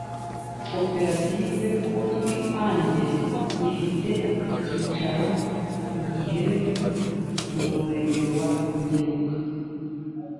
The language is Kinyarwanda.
koperative kotwiange ifite icyicaro i gihembe mu murenge wa ngeruka